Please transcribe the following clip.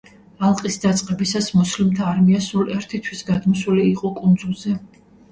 ალყის დაწყებისას, მუსლიმთა არმია სულ ერთი თვის გადმოსული იყო კუნძულზე.